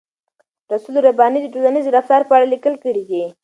رسول رباني د ټولنیز رفتار په اړه لیکل کړي دي.